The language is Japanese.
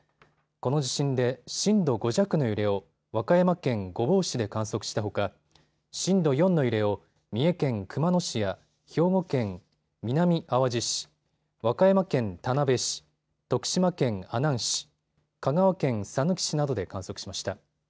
この地震で、震度５弱の揺れを和歌山県御坊市で観測したほか震度４の揺れを三重県熊野市や兵庫県南あわじ市和歌山県田辺市徳島県阿南市香川県さぬき市などで観測しました。